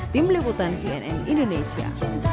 tim liputan cnn indonesia